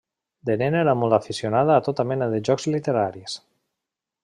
De nena era molt aficionada a tota mena de jocs literaris.